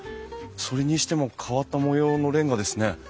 それにしても変わった模様のレンガですね。